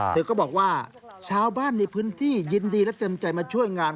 เธอก็บอกว่าชาวบ้านในพื้นที่ยินดีและเต็มใจมาช่วยงาน